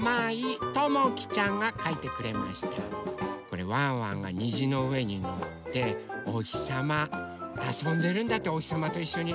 これワンワンがにじのうえにのっておひさまあそんでるんだっておひさまといっしょに。